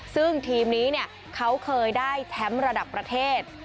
ซึ่งทีมนี้เขาเคยได้แชมป์ระดับประเทศ